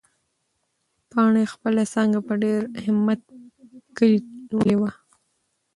پاڼې خپله څانګه په ډېر همت کلي نیولې وه.